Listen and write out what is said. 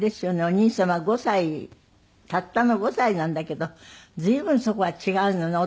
お兄様５歳たったの５歳なんだけど随分そこは違うのね。